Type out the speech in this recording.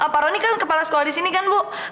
paroni kan kepala sekolah di sini kan bu